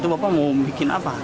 bapak mau bikin apa